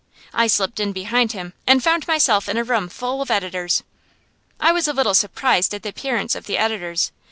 I slipped in behind him, and found myself in a room full of editors. I was a little surprised at the appearance of the editors.